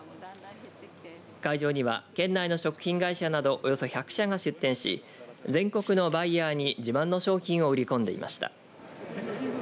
会場には県内の食品会社などおよそ１００社が出展し全国のバイヤーに自慢の商品を売り込んでいました。